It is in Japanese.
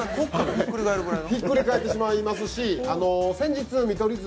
ひっくり返ってしまいますし、先日見取り図